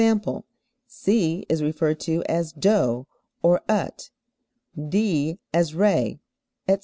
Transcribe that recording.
_, C is referred to as DO (or UT), D as RE, etc.